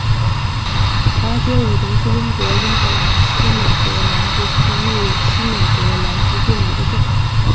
华捷伍德是英国英格兰西米德兰兹区域西米德兰兹郡的一个镇。